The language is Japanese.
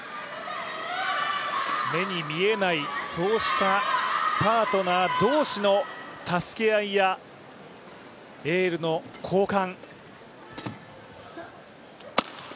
目に見えない、そうしたパートナー同士の助け合いやエールの交換。